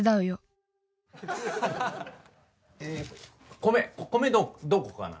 米米どこかな？